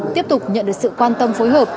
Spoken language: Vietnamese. tiếp tục nhận được sự quan tâm phối hợp